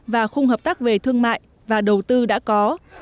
và khung hợp tác về thương mại và đầu tư đã có